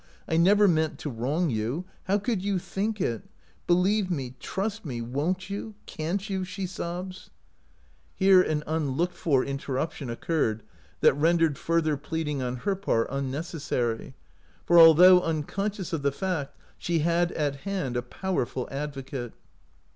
I never meant to wrong you — how could you think it ? Believe me, trust me, won't you ? .Can't you ?" she sobs. 131 OUT OF BOHEMIA Here an unlooked for interruption oc curred that rendered further pleading on her part unnecessary, for, although uncon scious of the fact, she had at hand a power ful advocate.